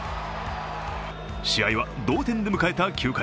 試合は同点で迎えた９回。